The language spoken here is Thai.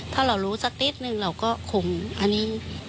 ถ้าเรารู้สักนิดนึงเราก็คงอันนี้